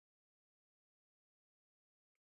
یورانیم د افغانستان د شنو سیمو ښکلا ده.